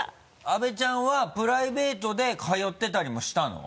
阿部ちゃんはプライベートで通ってたりもしたの？